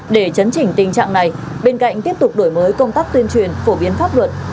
để chấn chỉnh tình trạng này bên cạnh tiếp tục đổi mới công tác tuyên truyền phổ biến pháp luật